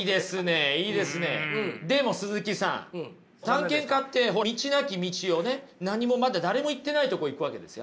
でも鈴木さん探検家って道なき道をね何もまだ誰も行ってないとこ行くわけですよ。